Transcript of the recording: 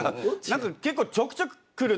結構ちょくちょく来る。